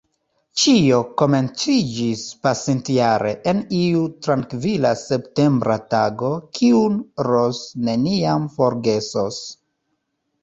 Ĉio komenciĝis pasintjare en iu trankvila septembra tago, kiun Ros neniam forgesos.